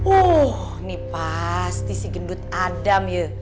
uh ini pasti si gendut adam ya